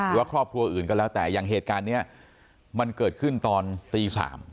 หรือว่าครอบครัวอื่นก็แล้วแต่อย่างเหตุการณ์นี้มันเกิดขึ้นตอนตี๓